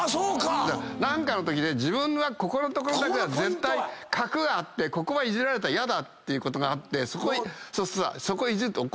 何かのときで自分はここのところだけは核があってここはイジられたら嫌だっていうことがあってそこをイジると怒る。